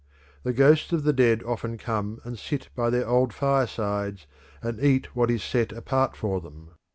The ghosts of the dead often come and sit by their old firesides and eat what is set apart for them.